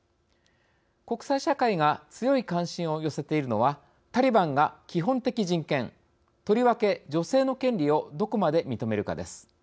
国際社会が強い関心を寄せているのはタリバンが、基本的人権とりわけ、女性の権利をどこまで認めるかです。